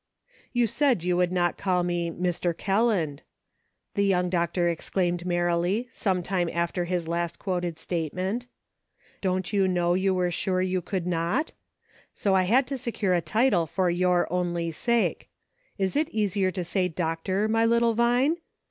" You said you could not call me 'Mr. Kelland,' " the young doctor exclaimed merrily, some time "THAT BEATS ME !" 341 after his last quoted statement. " Don't you know you were sure you could not ? So I had to secure a title for your only sake. Is it easier to say Doctor, my little Vine